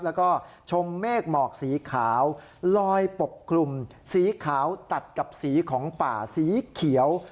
แล้วก็ชมเมฆหมอกสีขาวลอยปกคลุมสีขาวตัดกับสีของป่าสีเขียว